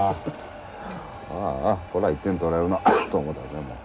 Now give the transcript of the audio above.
ああこれは１点取られるなと思ったもう。